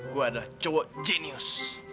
gue adalah cowok jenius